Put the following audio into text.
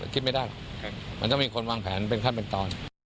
คิดไม่ได้หรอกมันต้องมีคนวางแผนเป็นขั้นเป็นตอน